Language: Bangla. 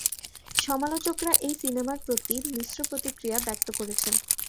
সমালোচকরা এই সিনেমার প্রতি মিশ্র প্রতিক্রিয়া ব্যক্ত করেছেন।